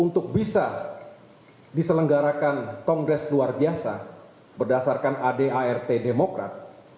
untuk bisa diselenggarakan kongres luar biasa berdasarkan adart demokrat